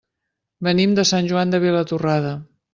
Venim de Sant Joan de Vilatorrada.